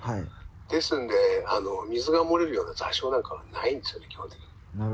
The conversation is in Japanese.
ですので、水が漏れるような座礁なんかはないんですよ、基本的に。